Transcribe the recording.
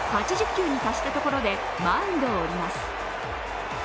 ８０球に達したところでマウンドを降ります。